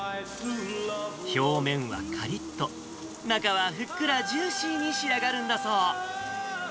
表面はかりっと、中はふっくらジューシーに仕上がるんだそう。